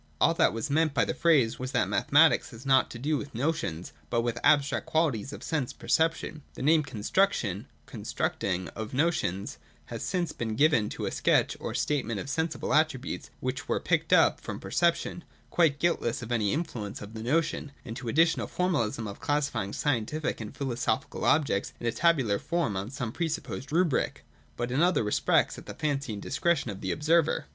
All that was meant by the phrase was that mathematics has not to do with notions, but with abstract qualities of sense perceptions. The name 'Construction (consti^u ing) of notions' has since been given to a sketch or statement of sensible attributes which were picked up from perception, quite guiltless of any influence of the notion, and to the additional formalism of classifying scientific and philosophical objects in a tabular form on some pre supposed rubric, but in other respects at the fancy and discretion of the observer.